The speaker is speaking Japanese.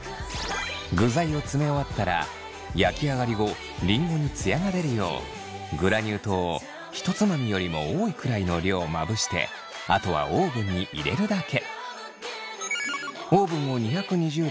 具材を詰め終わったら焼き上がり後りんごにツヤが出るようグラニュー糖を一つまみよりも多いくらいの量をまぶしてあとはオーブンに入れるだけ。